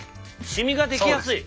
シミが出来やすい。